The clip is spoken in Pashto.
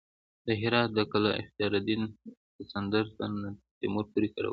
د هرات د قلعه اختیارالدین د الکسندر نه تر تیمور پورې کارول شوې